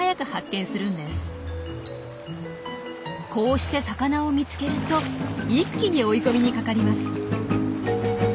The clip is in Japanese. こうして魚を見つけると一気に追い込みにかかります。